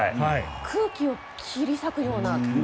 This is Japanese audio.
空気を切り裂くような？